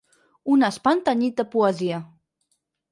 Un espant tenyit de poesia.